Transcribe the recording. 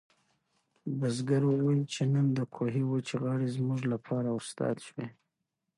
بزګر وویل چې نن د کوهي وچې غاړې زموږ لپاره استاد شوې.